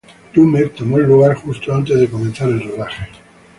Lumet tomó el lugar justo antes de comenzar el rodaje.